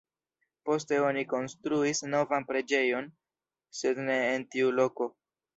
Poste oni konstruis novan preĝejon, sed ne en tiu loko.